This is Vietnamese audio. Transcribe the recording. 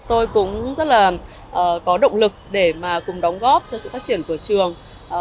tôi cũng rất là có động lực để mà cùng đóng góp cho sự phát triển của trường